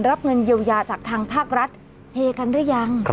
รับเงินเยียวยาจากทางภาครัฐเฮกันหรือยัง